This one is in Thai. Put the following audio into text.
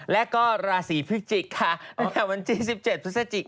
แล้วก็ราศีพิษจิกค่ะวันที่๑๗พฤษภาคม